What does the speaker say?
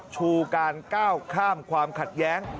ชูการก้าวข้ามความขัดแย้ง